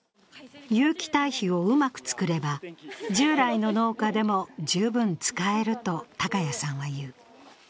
有機堆肥をうまく作れば、従来の農家でも十分使えると高谷さんは言う。